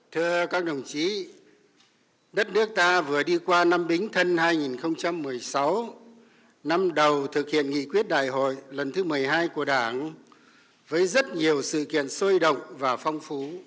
thưa các đồng chí đất nước ta vừa đi qua năm bính thân hai nghìn một mươi sáu năm đầu thực hiện nghị quyết đại hội lần thứ một mươi hai của đảng với rất nhiều sự kiện sôi động và phong phú